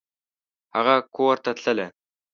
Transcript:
هغه کورته تلله !